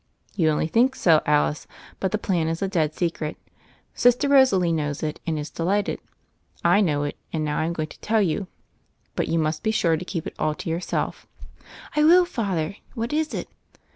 "You only think so, Alice. But the plan is a dead secret. Sister Rosalie knows it, and is delighted. I know it; and now Fm going to tell you. But you must be sure to keep it all to yourself." "I will, Father. What is it?"